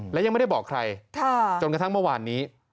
และยังไม่ได้บอกใครจนกระทั่งเมื่อวานนี้